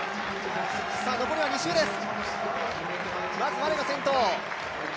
残り２周です。